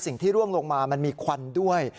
สิ่งที่ร่วงลงมามันมีควันด้วย